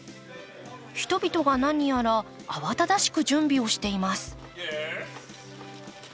人々が何やら慌ただしく準備をしています。